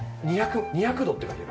「２００度」って書いてある。